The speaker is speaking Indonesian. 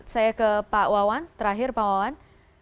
saya ke pak wawan terakhir pak wawan